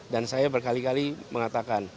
dan saya berkali kali mengatakan